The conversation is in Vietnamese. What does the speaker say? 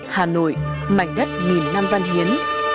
hà nội mảnh đất nghìn năm văn hiến